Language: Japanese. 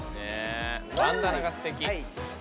バンダナがすてき。